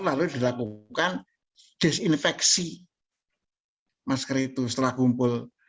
lalu dilakukan disinfeksi masker itu setelah kumpul